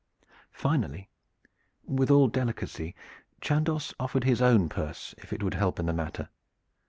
Finally, with all delicacy, Chandos offered his own purse if it would help in the matter.